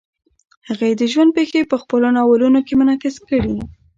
هغې د ژوند پېښې په خپلو ناولونو کې منعکس کړې.